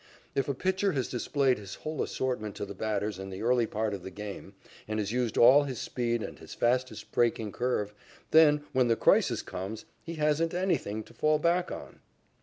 If a pitcher has displayed his whole assortment to the batters in the early part of the game and has used all his speed and his fastest breaking curve, then, when the crisis comes, he "hasn't anything" to fall back on.